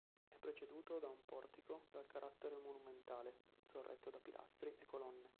È preceduto da un portico dal carattere monumentale, sorretto da pilastri e colonne.